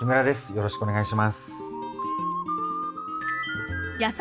よろしくお願いします。